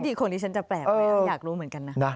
ของดิฉันจะแปลกไหมอยากรู้เหมือนกันนะ